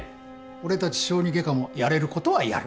俺たち小児外科もやれることはやる。